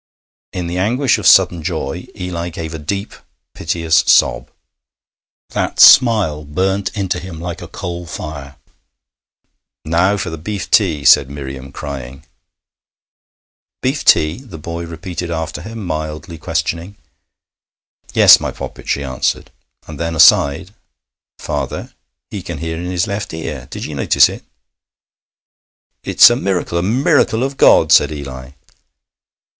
In the anguish of sudden joy Eli gave a deep, piteous sob. That smile burnt into him like a coal of fire. 'Now for the beef tea,' said Miriam, crying. 'Beef tea?' the boy repeated after her, mildly questioning. 'Yes, my poppet,' she answered; and then aside, 'Father, he can hear i' his left ear. Did ye notice it?' 'It's a miracle a miracle of God!' said Eli.